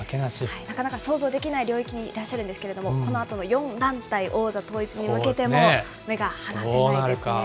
なかなか想像できない領域にいらっしゃるんですけれども、このあとの４団体王座統一に向けても、目が離せないですね。